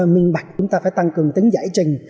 minh bạch chúng ta phải tăng cường tính giải trình